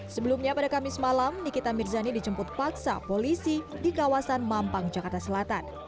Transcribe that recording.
sebelumnya pada kamis malam nikita mirzani dijemput paksa polisi di kawasan mampang jakarta selatan